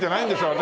私。